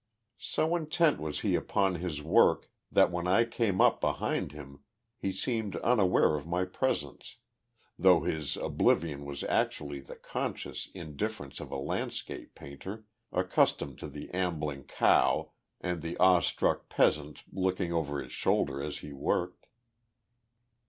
So intent was he upon his work that, when I came up behind him, he seemed unaware of my presence; though his oblivion was actually the conscious indifference of a landscape painter, accustomed to the ambling cow and the awe struck peasant looking over his shoulder as he worked.